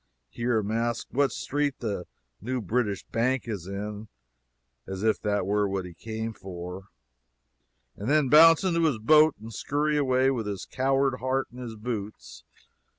hear him ask what street the new British Bank is in as if that were what he came for and then bounce into his boat and skurry away with his coward heart in his boots!